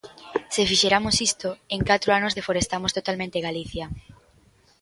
Se fixeramos isto, en catro anos deforestamos totalmente Galicia.